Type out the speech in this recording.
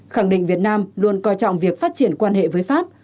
khẳng định việt nam luôn coi trọng việc phát triển quan hệ với pháp